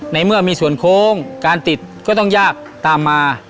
ในเมื่อมีส่วนโค้งการติดก็ต้องยากตามมา